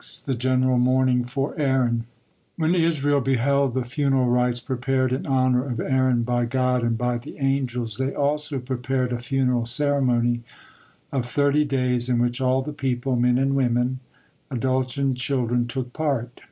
THE GENERAL MOURNING FOR AARON When Israel beheld the funeral rites prepared in honor of Aaron by God and by the angels, they also prepared a funeral ceremony of thirty days in which all the people, men and women, adults and children, took part.